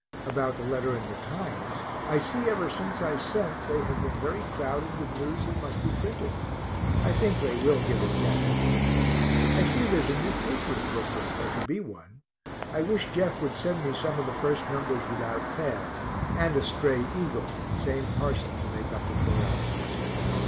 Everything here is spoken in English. About the letter in the Times, I see ever since I sent they have been very crowded with news that must be printed I think they will give it yet. I hear there is a new paper in Brooklyn, or to be one I wish Jeff would send me some of the first numbers without fail, and a stray Eagle in same parcel to make up the 4 ounces.